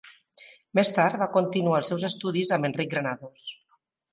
Més tard, va continuar els seus estudis amb Enric Granados.